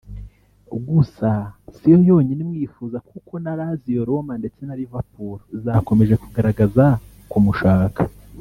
Gusa si yo yonyine imwifuza kuko na Lazio Roma ndetse na Liverpool zakomeje kugaragaza kumushaka